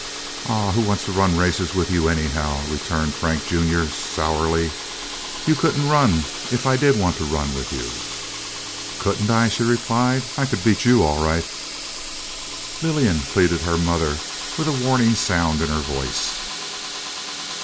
"Aw, who wants to run races with you, anyhow?" returned Frank, junior, sourly. "You couldn't run if I did want to run with you." "Couldn't I?" she replied. "I could beat you, all right." "Lillian!" pleaded her mother, with a warning sound in her voice.